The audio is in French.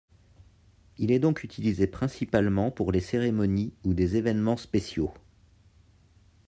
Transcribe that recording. Il est donc utilisé principalement pour les cérémonies ou des événements spéciaux.